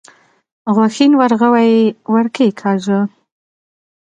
غوښين ورغوی يې ور کېکاږه.